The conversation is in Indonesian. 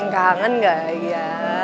kangen gak ya